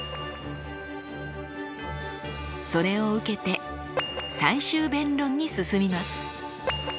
それを受けて最終弁論に進みます。